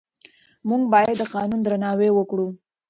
موږ باید د قانون درناوی وکړو.